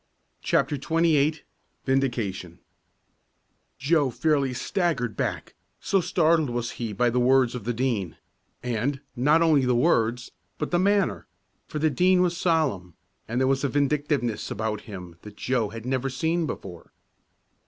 CHAPTER XXVIII VINDICATION Joe fairly staggered back, so startled was he by the words of the Dean and, not only the words, but the manner for the Dean was solemn, and there was a vindictiveness about him that Joe had never seen before.